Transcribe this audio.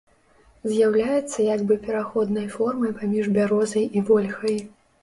З'яўляецца як бы пераходнай формай паміж бярозай і вольхай.